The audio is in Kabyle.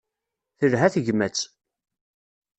Telha tegmat.